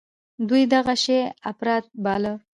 دوى دغه شى اپرات باله.